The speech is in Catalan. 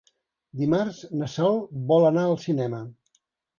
Dimarts na Sol vol anar al cinema.